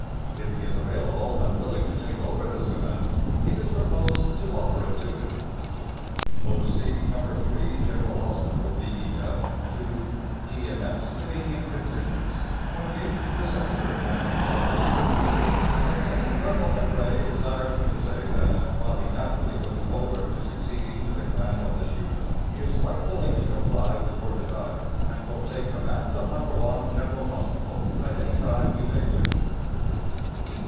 If he is available, and willing to take over this command, it is proposed to offer it to him. O.C. No. 3 General Hospital, B.E.F., To D.M.S. Canadian Contingents, 28th December, 1917: Lieut. Colonel McCrae desires me to say that, while he naturally looks forward to succeeding to the command of this unit, he is quite willing to comply with your desire, and will take command of No. 1 General Hospital at any time you may wish.